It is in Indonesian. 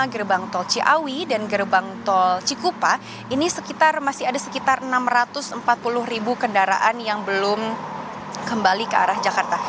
gerbang tol ciawi dan gerbang tol cikupa ini sekitar masih ada sekitar enam ratus empat puluh ribu kendaraan yang belum kembali ke arah jakarta